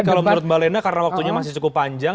jadi kalau menurut mbak lena karena waktunya masih cukup panjang